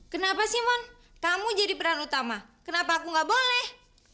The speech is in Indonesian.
kenapa sih mon kamu jadi peran utama kenapa aku nggak boleh